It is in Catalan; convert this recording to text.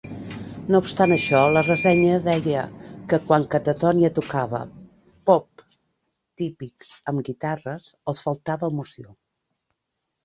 No obstant això, la ressenya deia que, quan Catatonia tocava "pop típic amb guitarres", els faltava emoció.